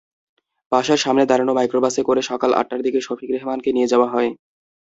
বাসার সামনে দাঁড়ানো মাইক্রোবাসে করে সকাল আটটার দিকে শফিক রেহমানকে নিয়ে যাওয়া হয়।